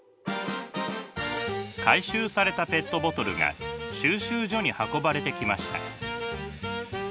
回収されたペットボトルが収集所に運ばれてきました。